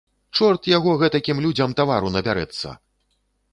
Чорт яго гэтакім людзям тавару набярэцца!